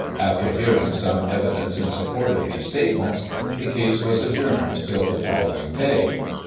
After hearing some evidence in support of these statements, the case was adjourned till the following day.